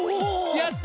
やった！